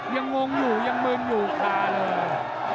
งงอยู่ยังมึนอยู่คาเลย